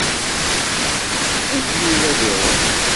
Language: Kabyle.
Eǧǧ Yuba ad iṛuḥ.